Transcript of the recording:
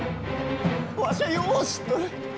わしゃよう知っとる。